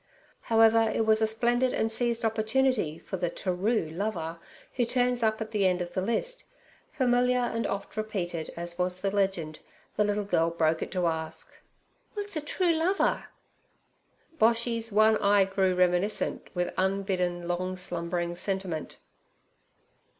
However, it was a splendid and seized opportunity for the 'terue' lover who turns up at the end of the list. Familiar and oft repeated as was the legend, the little girl broke it to ask: 'W'at's a true lover?' Boshy's one eye grew reminiscent with unbidden long slumbering sentiment.